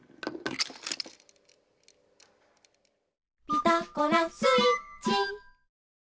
「ピタゴラスイッチ」